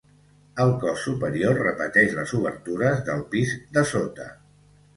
El cos superior repeteix les obertures del pis de sota.